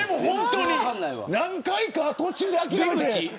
何回か途中で諦めて。